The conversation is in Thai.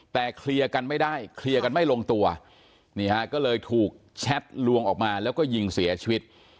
แต่เคลียร์กันไม่ได้เคลียร์กันไม่ลงตัวนี่ฮะก็เลยถูกแชทลวงออกมาแล้วก็ยิงเสียชีวิต